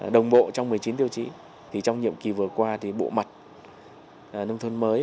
đồng bộ trong một mươi chín tiêu chí thì trong nhiệm kỳ vừa qua thì bộ mặt nông thôn mới